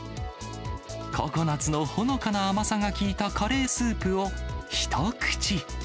ココナツのほのかな甘さが利いたカレースープを、一口。